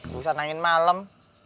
bukan angin malem